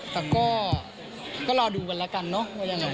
แต่ก็รอดูกันแล้วกันเนอะว่ายังไง